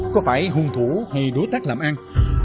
có phải hung thủ hay đối tác làm ăn